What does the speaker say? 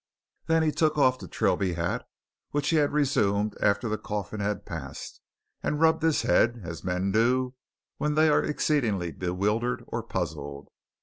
Then he took off the Trilby hat, which he had resumed after the coffin had passed, and he rubbed his head as men do when they are exceedingly bewildered or puzzled.